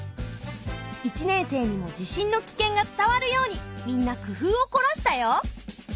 １年生にも地震の危険が伝わるようにみんな工夫を凝らしたよ！